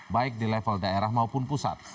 baik di level daerah maupun pusat